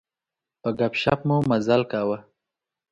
په ګپ شپ مو مزال کاوه.